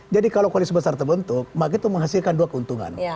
jadi kalau koalisi besar terbentuk maka itu menghasilkan dua keuntungan